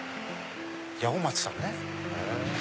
八百松さんね。